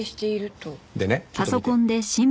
でねちょっと見て。